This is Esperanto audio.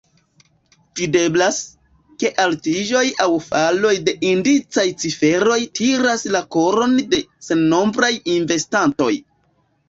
Videblas, ke altiĝoj aŭ faloj de indicaj ciferoj tiras la koron de sennombraj investantoj.